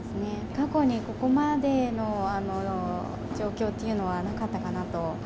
過去にここまでの状況というのはなかったかなと。